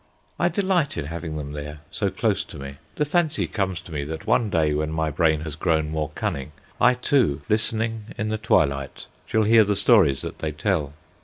I delight in having them there, so close to me. The fancy comes to me that one day, when my brain has grown more cunning, I, too, listening in the twilight, shall hear the stories that they tell.